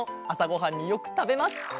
あさごはんによくたべます。